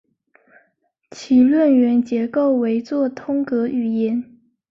其论元结构为作通格语言。